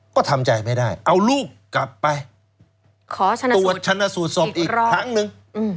ก็ทำใจไม่ได้เอาลูกกลับไปขอชนะตรวจชนะสูตรศพอีกครั้งหนึ่ง